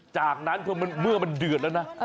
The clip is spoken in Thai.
จากนั้นเมื่อมันเดือดแล้วนะ